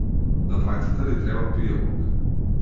На двајцата ни треба пијалок.